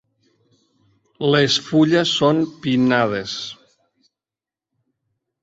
Les fulles són pinnades.